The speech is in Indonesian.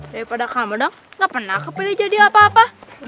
daripada kamu dong ga pernah kepilih jadi apa apa